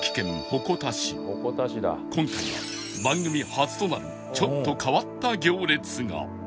今回は番組初となるちょっと変わった行列が